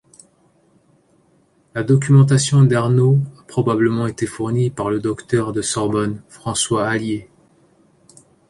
La documentation d'Arnauld a probablement été fournie par le docteur de Sorbonne François Hallier.